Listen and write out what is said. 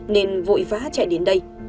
nên vội vã chạy đến đây